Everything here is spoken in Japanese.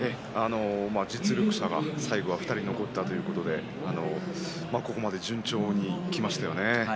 実力者が最後２人残ったということでここまで順調にきましたよね。